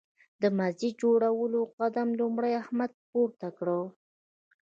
د مسجد جوړولو قدم لومړی احمد پورته کړ.